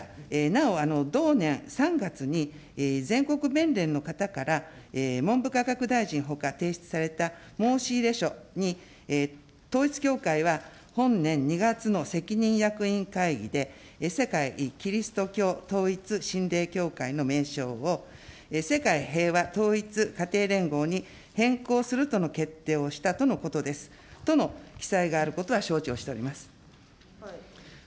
なお、同年３月に全国弁連の方から文部科学大臣ほか、提出された申し入れ書に、統一教会は本年２月の責任役員会議で、世界基督教統一神霊協会の名称を、世界平和統一家庭連合に変更するとの決定をしたとのことですとの記載があることは承知をしております。